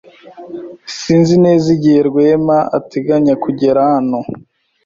Sinzi neza igihe Rwema ateganya kugera hano.